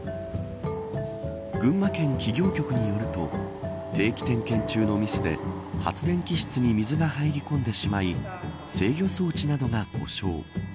群馬県企業局によると定期点検中のミスで発電機室に水が入り込んでしまい制御装置などが故障。